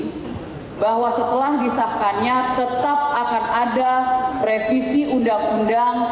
dan juga bahwa setelah disahkannya tetap akan ada revisi undang undang